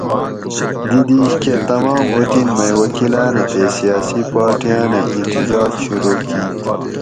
دی دیش کہ تمام اوطن مئ وکیلانہ تے سیاسی پارٹیاۤنہ احتجاج شروع کیت